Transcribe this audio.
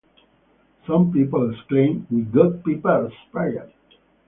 Some people exclaimed We got pepper sprayed!